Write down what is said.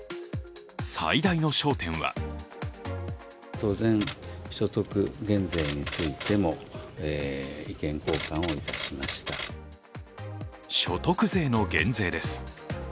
最大の焦点は所得税の減税です。